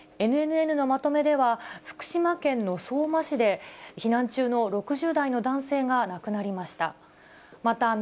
ＮＮＮのまとめでは、福島県の相馬市で避難中の６０代の男性が亡くなりました。